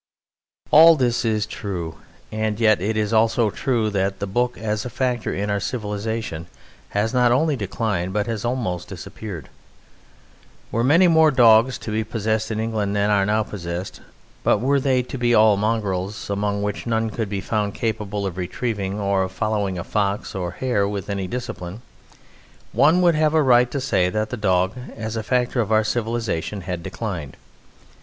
All this is true; and yet it is also true that the Book as a factor in our civilization has not only declined but has almost disappeared. Were many more dogs to be possessed in England than are now possessed, but were they to be all mongrels, among which none could be found capable of retrieving, or of following a fox or a hare with any discipline, one would have a right to say that the dog as a factor of our civilization had declined.